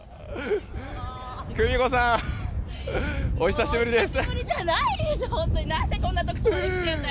久美子さん！お久しぶりです！